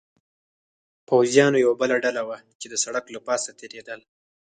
پوځیانو یوه بله ډله وه، چې د سړک له پاسه تېرېدل.